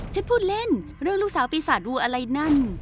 พูดเล่นเรื่องลูกสาวปีศาจดูอะไรนั่น